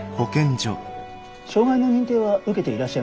障害の認定は受けていらっしゃいますか？